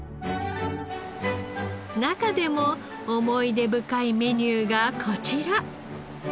中でも思い出深いメニューがこちら。